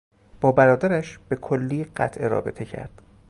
با برادرش به کلی قطع رابطه کرد.